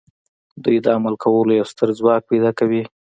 دوی د عمل کولو یو ستر ځواک پیدا کوي